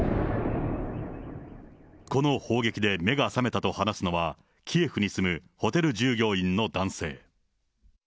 この砲撃で目が覚めたと話すのは、キエフに住むホテル従業員の男性。